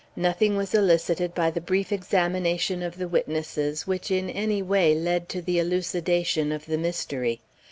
Nothing was elicited by the brief examination of the witnesses which in any way led to the elucidation of the mystery.